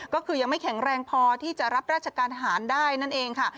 ก็คือยังไม่แข็งแรงพอที่จะรับราชการทหารได้นั่นเองค่ะ